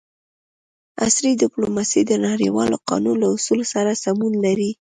عصري ډیپلوماسي د نړیوال قانون له اصولو سره سمون لري